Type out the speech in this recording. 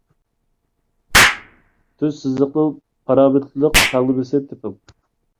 تۈز سىزىقنىڭ پارامېتىرلىق تەڭلىمىسىنى تېپىڭ.